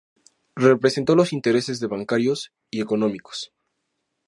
Represento los intereses de bancarios y económicos.